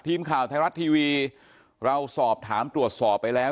ทีมข่าวไทยรัฐทีวีเราสอบถามตรวจสอบไปแล้ว